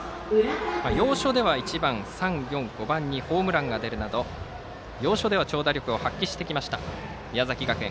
要所では１、３、４、５番でホームランが出るなど長打力を発揮してきた宮崎学園。